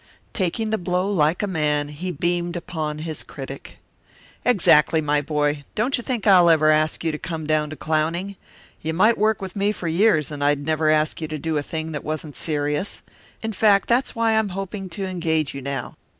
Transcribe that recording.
Taking the blow like a man, he beamed upon his critic. "Exactly, my boy; don't you think I'll ever ask you to come down to clowning. You might work with me for years and I'd never ask you to do a thing that wasn't serious. In fact, that's why I'm hoping to engage you now.